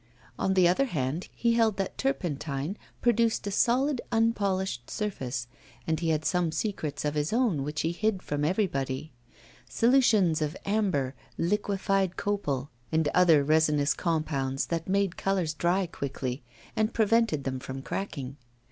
On the other hand, he held that turpentine produced a solid unpolished surface, and he had some secrets of his own which he hid from everybody; solutions of amber, liquefied copal, and other resinous compounds that made colours dry quickly, and prevented them from cracking.